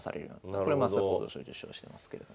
これ升田幸三賞受賞してますけれども。